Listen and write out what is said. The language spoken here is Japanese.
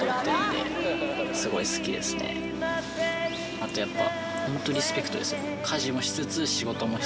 あとやっぱ。